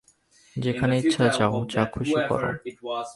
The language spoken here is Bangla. যেখানে ইচ্ছা যাও, যা খুশি করো।